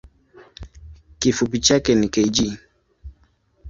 Kifupi chake ni kg.